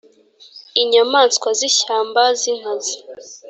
inyamaswa z ishyamba z inkazi